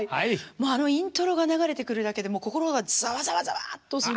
もうあのイントロが流れてくるだけで心がザワザワザワッとする。